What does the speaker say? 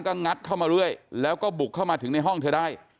ก็งัดเข้ามาเรื่อยแล้วก็บุกเข้ามาถึงในห้องเธอได้